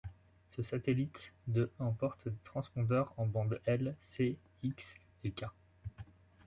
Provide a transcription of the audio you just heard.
Ce satellite de emporte des transpondeurs en bande L, C, X et Ka.